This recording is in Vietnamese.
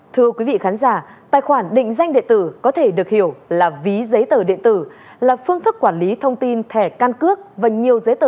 thưa quý vị khán giả tài khoản định danh điện tử có thể được hiểu là ví giấy tài khoản